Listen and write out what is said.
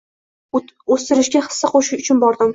O‘stirishga hissa qo‘shish uchun bordim.